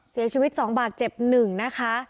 เสียชีวิต๒บาทเจ็บ๑นะคะ